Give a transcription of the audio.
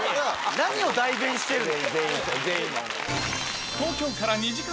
何を代弁してるの？